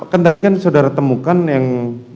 kenapa kan saudara temukan yang